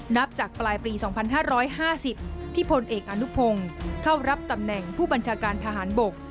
นับจากปลายปี๒๕๕๐ที่พลเอกอนุพงศ์เข้ารับตำแหน่งผู้บัญชาการทหารบก